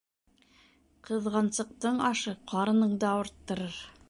Кыҙғансыҡтың ашы ҡарыныңды ауырттырыр.